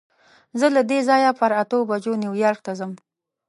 زه له دې ځایه پر اتو بجو نیویارک ته ځم.